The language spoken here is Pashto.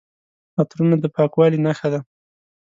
عطرونه د پاکوالي نښه ده.